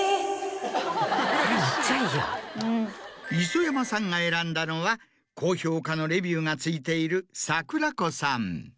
磯山さんが選んだのは高評価のレビューがついている櫻子さん。